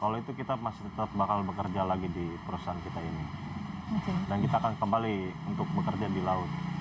kalau itu kita masih tetap bakal bekerja lagi di perusahaan kita ini dan kita akan kembali untuk bekerja di laut